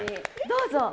どうぞ。